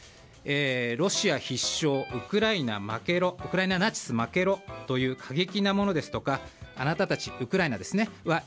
ロシア必勝ウクライナナチス負けろといった過激なものですとかあなたたち、ウクライナですね。